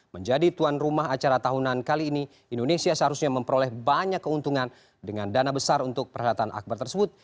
menjadi tuan rumah acara tahunan kali ini indonesia seharusnya memperoleh banyak keuntungan dengan dana besar untuk perhatian akbar tersebut